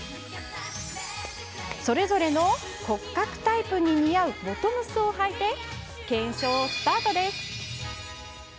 それぞれの骨格タイプに似合うボトムスをはいて検証スタート。